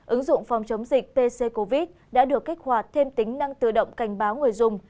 ứng dụng phòng chống dịch pc covid đã được kích hoạt thêm tính năng tự động cảnh báo người dùng